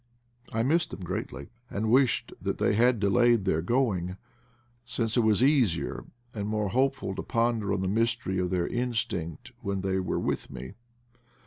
I missed them greatly, and wished that they had delayed their going, since it was easier and more hopeful to ponder on the mystery of their instinct when they were with me.